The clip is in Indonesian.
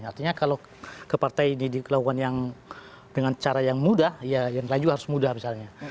artinya kalau ke partai ini dilakukan yang dengan cara yang mudah ya yang lain juga harus mudah misalnya